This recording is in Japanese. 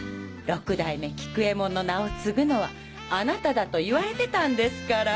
六代目「菊右衛門」の名を継ぐのはあなただと言われてたんですから。